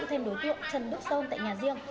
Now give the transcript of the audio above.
thêm đối tượng trần đức son tại nhà riêng